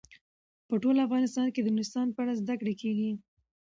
په ټول افغانستان کې د نورستان په اړه زده کړه کېږي.